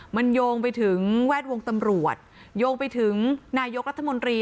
มันโยงไปถึงแวดวงตำรวจโยงไปถึงนายกรัฐมนตรี